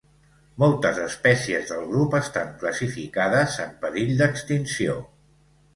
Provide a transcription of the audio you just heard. Moltes espècies del grup estan classificades en perill d'extinció.